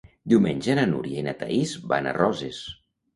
Diumenge na Núria i na Thaís van a Roses.